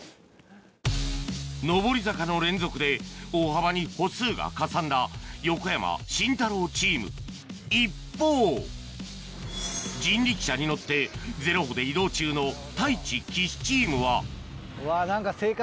上り坂の連続で大幅に歩数がかさんだ横山・慎太郎チーム一方ゼロ歩で移動中の太一・岸チームはうわ何か。